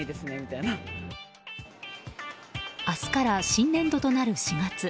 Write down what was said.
明日から新年度となる４月。